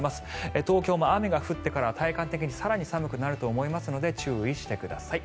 東京も雨が降ってからは体感的に更に寒くなると思いますので注意してください。